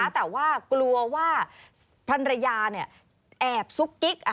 แต่ว่ากลัวว่าพันรยาแอบซุกกิ๊ก